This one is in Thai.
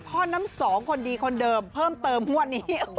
พ่อน้ำสองคนดีคนเดิมเพิ่มเติมงวดนี้